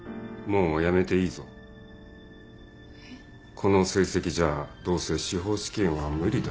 この成績じゃどうせ司法試験は無理だ。